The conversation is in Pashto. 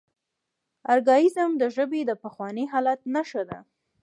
ارکائیزم د ژبې د پخواني حالت نخښه ده.